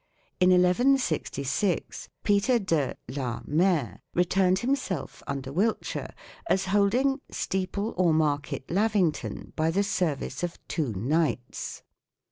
In 1166 Peter de (la) Mare returned himself, under Wilts, as holding (Steeple or Market) Lavington by the service of two knights.